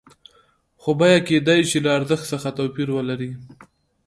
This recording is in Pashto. خو بیه کېدای شي له ارزښت څخه توپیر ولري